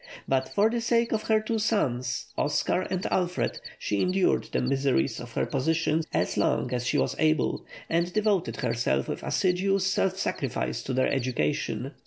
But for the sake of her two sons, Oscar and Alfred, she endured the miseries of her position as long as she was able, and devoted herself with assiduous self sacrifice to their education.